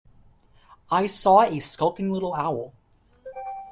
I saw a skulking little owl.